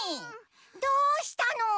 どうしたの？